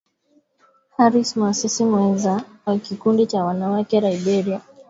Harris muasisi mwenza wa Kikundi cha Wanawake Liberia na kama msimamizi wa kijamii